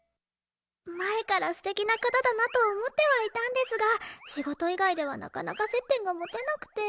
前から素敵な方だなと思ってはいたんですが仕事以外ではなかなか接点が持てなくて。